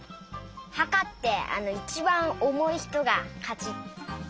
はかっていちばんおもいひとがかち。